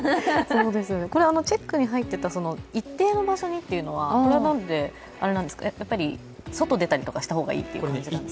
これチェックに入っていた一定の場所にというのはやっぱり外に出たりした方がいいという感じなんですか。